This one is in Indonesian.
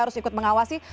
harus ikut mengawasi